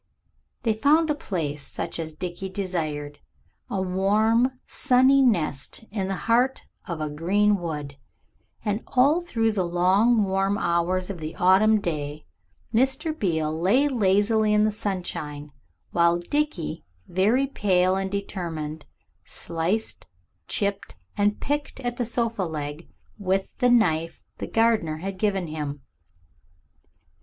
They found a place such as Dickie desired, a warm, sunny nest in the heart of a green wood, and all through the long, warm hours of the autumn day Mr. Beale lay lazy in the sunshine while Dickie, very pale and determined, sliced, chipped, and picked at the sofa leg with the knife the gardener had given him.